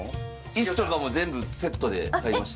石とかも全部セットで買いました。